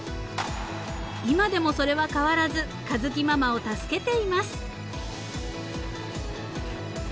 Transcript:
［今でもそれは変わらず佳月ママを助けています］